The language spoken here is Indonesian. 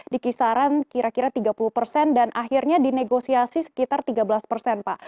di kisaran kira kira tiga puluh persen dan akhirnya dinegosiasi sekitar tiga belas persen pak